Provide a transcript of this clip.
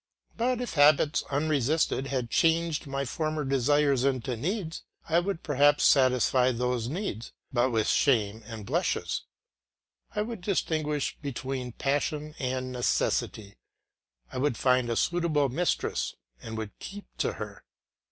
But if habits unresisted had changed my former desires into needs, I would perhaps satisfy those needs, but with shame and blushes. I would distinguish between passion and necessity, I would find a suitable mistress and would keep to her.